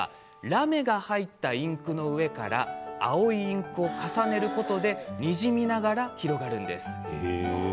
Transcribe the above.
ラメが入ったインクの上から青いインクを重ねることでにじみながら広がります。